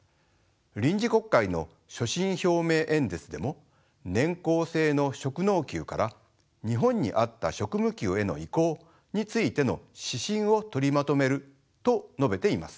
臨時国会の所信表明演説でも年功制の職能給から日本に合った職務給への移行についての指針を取りまとめると述べています。